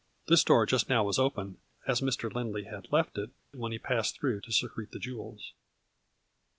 This door just now was open, as Mr. Lindley had left it when he passed through to secrete the jewels.